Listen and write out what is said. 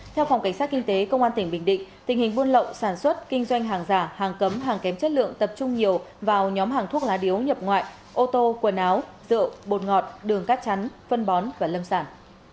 theo phòng cảnh sát kinh tế công an tỉnh bình định tình hình buôn lậu sản xuất kinh doanh hàng giả hàng cấm hàng kém chất lượng tập trung nhiều vào nhóm hàng thuốc lá điếu nhập ngoại ô tô quần áo rượu bột ngọt đường cát chắn phân bón và lâm sản